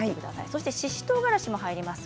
そしてししとうがらしも入ります。